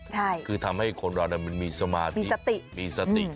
ใช่คือทำให้คนเรามันมีสมาธิมีสติมีสติ